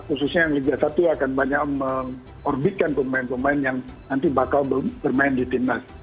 khususnya liga satu akan banyak mengorbitkan pemain pemain yang nanti bakal bermain di timnas